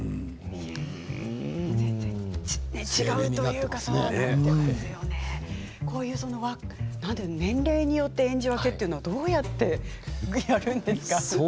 違うというかこういう年齢によって演じ分けるというのはどうやってやっているんですか？